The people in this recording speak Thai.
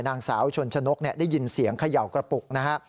นางสาวชนชนกได้ยินเสียงเขย่ากระปุกนะฮะ